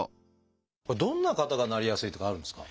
どんな方がなりやすいとかあるんですか？